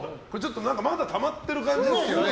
まだたまってる感じですけどね